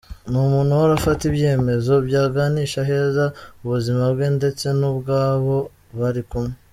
Ni umuntu uhora afata ibyemezo byaganisha aheza ubuzima bwe detse n’ubwabo bari kumwe.